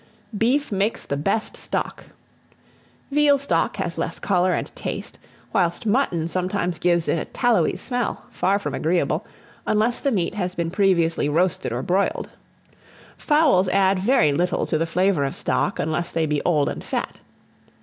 BEEF MAKES THE BEST STOCK; veal stock has less colour and taste; whilst mutton sometimes gives it a tallowy smell, far from agreeable, unless the meat has been previously roasted or broiled. Fowls add very little to the flavour of stock, unless they be old and fat.